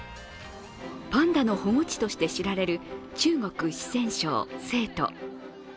パンダの保護地として知られる中国・四川省成都。